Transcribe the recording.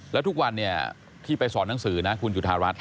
แล้วทุกวันที่ไปสอนหนังสือนะคุณจุธารัฐ